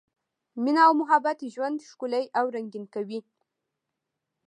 مینه او محبت ژوند ښکلی او رنګین کوي.